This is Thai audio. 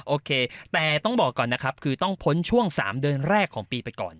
โอเคแต่ต้องบอกก่อนนะครับคือต้องพ้นช่วง๓เดือนแรกของปีไปก่อน